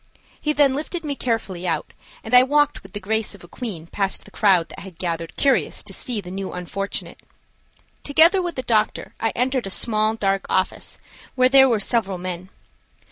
He then lifted me carefully out and I walked with the grace of a queen past the crowd that had gathered curious to see the new unfortunate. Together with the doctor I entered a small dark office, where there were several men.